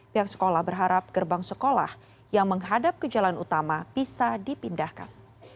pihak sekolah berharap gerbang sekolah yang menghadap ke jalan utama bisa dipindahkan